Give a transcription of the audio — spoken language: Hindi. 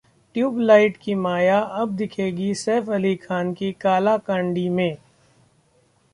ट्यूबलाइट की माया अब दिखेंगी सैफ अली खान की काला कांडी में